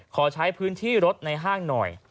ขอใช้พื้นที่รถในห้างหน่อย